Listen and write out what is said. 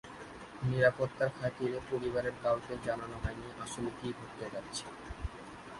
নিরাপত্তার খাতিরে পরিবারের কাউকেই জানানো হয়নি আসলে কী ঘটতে যাচ্ছে।